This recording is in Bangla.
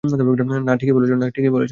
না, ঠিকই বলেছ তুমি।